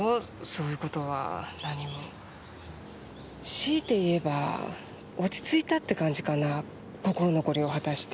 強いて言えば落ち着いたって感じかな心残りを果たして。